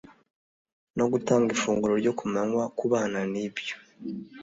no gutanga ifunguro ryo kumanywa ku bana nibyo